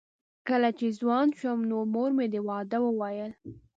کله چې ځوان شوم نو مور مې د واده وویل